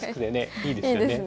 いいですね。